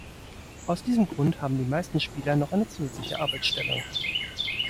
Aus diesem Grund haben die meisten Spieler noch eine zusätzliche Arbeitsstelle.